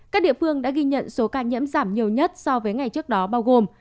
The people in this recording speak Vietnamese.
các địa phương đã ghi nhận số ca nhiễm giảm nhiều nhất so với ngày trước đó bao gồm